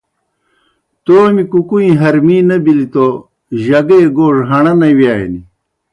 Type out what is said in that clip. تومیْ کُکُوئیں حرمی نہ بِلیْ تو جگے گوڙہ ہݨہ نہ ویانیْ